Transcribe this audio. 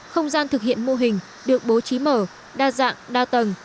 không gian thực hiện mô hình được bố trí mở đa dạng đa tầng